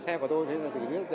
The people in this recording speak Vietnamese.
thế là xử lý rất dễ